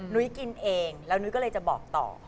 นุ้ยกินเองแล้วนุ้ยก็เลยจะบอกต่อ